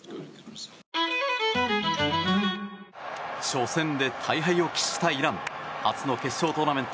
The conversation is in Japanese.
初戦で大敗を喫したイラン。